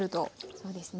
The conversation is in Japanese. そうですね。